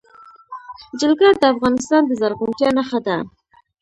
جلګه د افغانستان د زرغونتیا نښه ده.